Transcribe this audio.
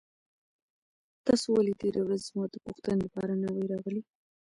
تاسو ولې تېره ورځ زما د پوښتنې لپاره نه وئ راغلي؟